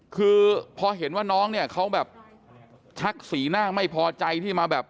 คือพอเห็นว่าน้องเนี่ยเขาแบบชักสีหน้าไม่พอใจที่มาแบบ